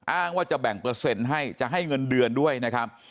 อ้างว่าจะแบ่งเปอร์เซ็นต์ให้จะให้เงินเดือนด้วยนะครับ